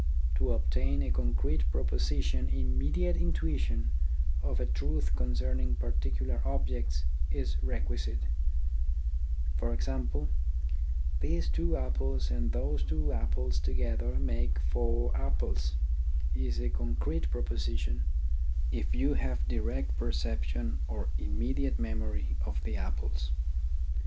To obtain a concrete proposition immediate intuition of a truth concerning parti cular objects is requisite ; for example, " these two apples and those apples together make four apples " is a concrete proposition, if you have direct perception or immediate memory of the apples.